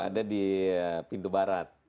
ada di pintu barat